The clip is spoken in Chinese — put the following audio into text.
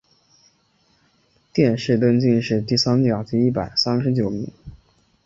殿试登进士第三甲第一百三十九名。